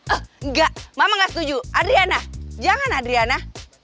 oh enggak mama gak setuju adriana jangan adriana